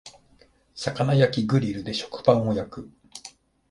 魚焼きグリルで食パンを焼く